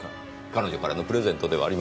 彼女からのプレゼントでは？